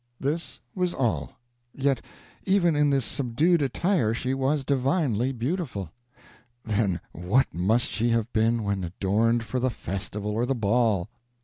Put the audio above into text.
This was all; yet even in this subdued attire she was divinely beautiful. Then what must she have been when adorned for the festival or the ball?